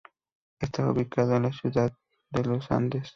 Está ubicado en la ciudad de Los Andes.